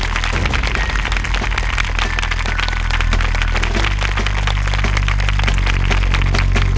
สวัสดีครับ